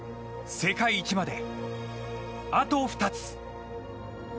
世界一まで、あと２つ。